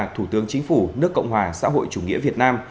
thủ tướng chính phủ nước cộng hòa xã hội chủ nghĩa việt nam